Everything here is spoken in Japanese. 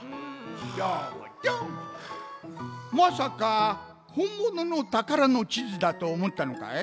まさかほんもののたからのちずだとおもったのかい？